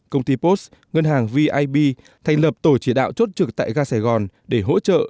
công ty post ngân hàng vip thành lập tổ chỉ đạo chốt trực tại ga sài gòn để hỗ trợ